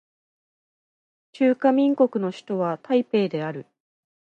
中華民国の首都は台北である